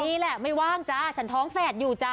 นี่แหละไม่ว่างจ้าฉันท้องแฝดอยู่จ้